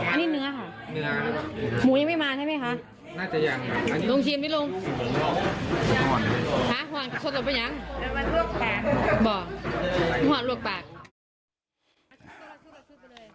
บ่งหอนรวกปาก